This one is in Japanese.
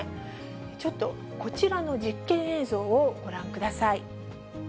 ちょっとこちらの実験映像をご覧ください。